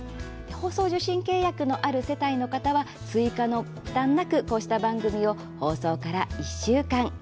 放送受信契約のある世帯の方は追加の負担なくこうした番組を放送から１週間ご覧になれます。